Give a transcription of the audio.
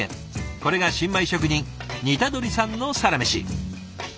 これが新米職人似鳥さんのサラメシ。